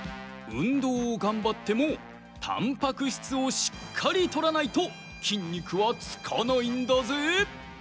うんどうをがんばってもたんぱく質をしっかりとらないと筋肉はつかないんだぜ。